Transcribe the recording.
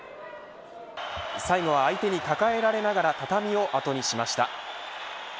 最後は相手に抱えられながら畳を後にしました。